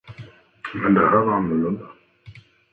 Men här var det annorlunda.